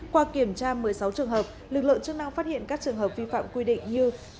qua kiểm tra một mươi sáu trường hợp lực lượng chức năng phát hiện các trường hợp vi phạm quy định như